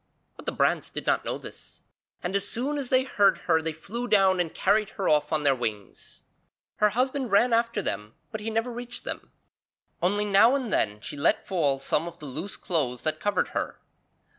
But the brants did not know this, and as soon as they heard her they flew down and carried her off on their wings. Her husband ran after them but he never reached them, only now and then she let fall some of the loose clothes that covered her.